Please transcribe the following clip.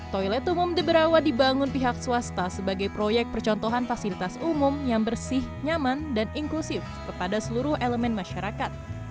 toilet umum deberawa dibangun pihak swasta sebagai proyek percontohan fasilitas umum yang bersih nyaman dan inklusif kepada seluruh elemen masyarakat